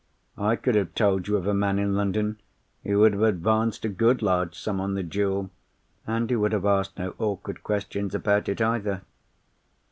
I could have told you of a man in London who would have advanced a good large sum on the jewel, and who would have asked no awkward questions about it either.